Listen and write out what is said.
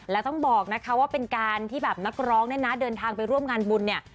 แล้วต้องบอกนะคะว่าเป็นการที่นักร้องเดินทางไปร่วมงานบุญ